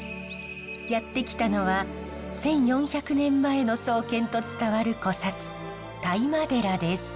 やって来たのは１，４００年前の創建と伝わる古刹當麻寺です。